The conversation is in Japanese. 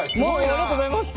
ありがとうございます。